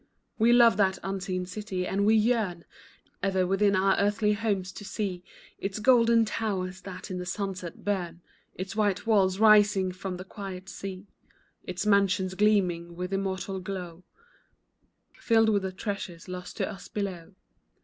We love that unseen city, and we yearn Ever within our earthly homes to see Its golden towers, that in the sunset burn, Its white walls rising from the quiet sea; Its mansions gleaming with immortal glow, Filled with the treasure lost to us below.